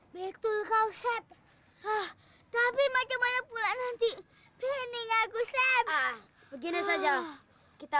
betul kau sep oh tapi macam mana pula nanti pening aku sep begini saja kita